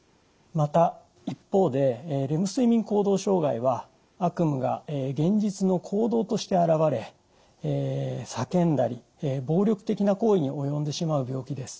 また一方でレム睡眠行動障害は悪夢が現実の行動として現れ叫んだり暴力的な行為に及んでしまう病気です。